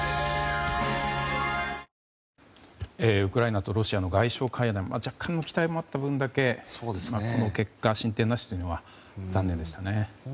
ウクライナとロシアの外相会談は若干の期待もあった分だけこの結果、進展なしというのは残念でしたね。